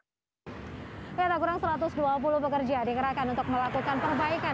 tidak kurang satu ratus dua puluh pekerja dikerahkan untuk melakukan perbaikan